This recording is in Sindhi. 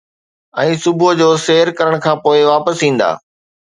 ۽ صبح جو سير ڪرڻ کان پوءِ واپس ايندا.